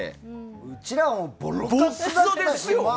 うちらは、ボロクソですよ。